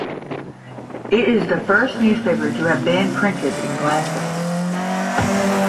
It is the first newspaper to have been printed in Glasgow.